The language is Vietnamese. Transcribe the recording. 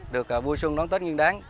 được vui sung đón tết nguyên đáng